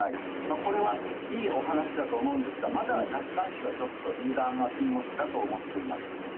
これはいいお話だと思うんですがまだ楽観視はちょっと油断は禁物だと思っています。